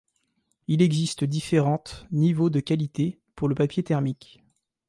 Il existe différentes niveaux de qualité pour le papier thermique.